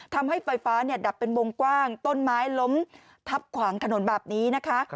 ทำให้ไฟฟ้าดับเป็นวงกว้างต้นไม้ล้มทับขวางถนนแบบนี้นะคะ